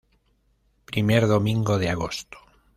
Primer domingo de agosto.